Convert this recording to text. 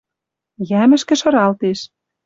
Йӓмӹшкӹ шыралтеш.